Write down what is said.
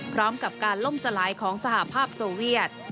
พร้อมกับการล่มสลายของสหภาพโซเวียต